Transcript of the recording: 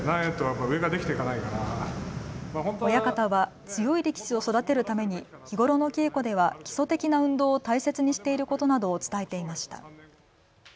親方は強い力士を育てるために日頃の稽古では基礎的な運動を大切にしていることなどを伝えていました。